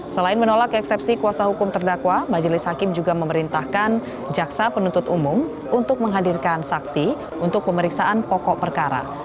selain menolak eksepsi kuasa hukum terdakwa majelis hakim juga memerintahkan jaksa penuntut umum untuk menghadirkan saksi untuk pemeriksaan pokok perkara